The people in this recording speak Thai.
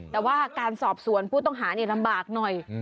แต่ว่าการสอบสวนผู้ต้องหาลำบากหน่อย